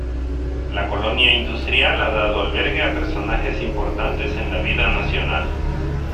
La colonia Industrial ha dado albergue a personajes importantes en la vida nacional.